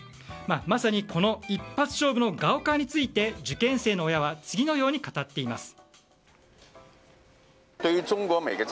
まさに、この一発勝負のガオカオについて受験生の親は次のように語っています。